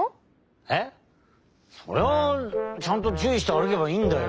えっ？それはちゃんとちゅういして歩けばいいんだよ！